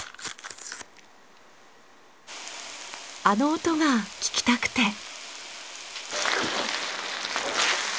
あの音が聞きたくて。